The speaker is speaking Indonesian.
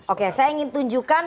oke saya ingin tunjukkan